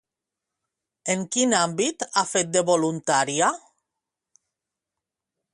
En quin àmbit ha fet de voluntària?